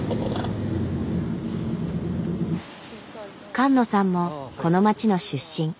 菅野さんもこの町の出身。